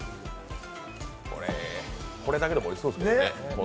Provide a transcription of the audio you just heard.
これだけでもおいしそうですけどね。